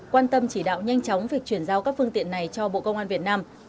quan tâm chỉ đạo nhanh chóng việc chuyển giao các phương tiện này cho bộ công an việt nam